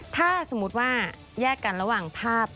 ถ้าสมมุติว่าแยกกันระหว่างภาพ